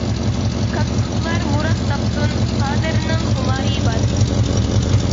كاككۇكلار مۇرات تاپسۇن، سادىرنىڭ خۇمارى بار.